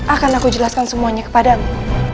akan aku jelaskan semuanya kepadamu